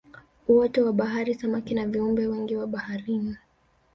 Uoto wa baharini samaki na viumbe wengine wa baharini